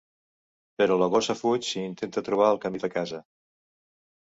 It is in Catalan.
Però la gossa fuig i intenta trobar el camí de casa.